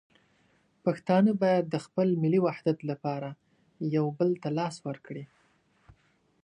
پښتانه باید د خپل ملي وحدت لپاره یو بل ته لاس ورکړي.